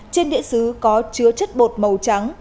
trên đĩa xứ có chứa chất bột màu trắng